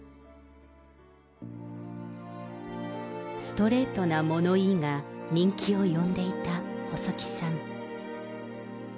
ストレートな物言いが人気を呼んでいた細木さん。